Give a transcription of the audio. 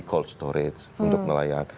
cold storage untuk nelayan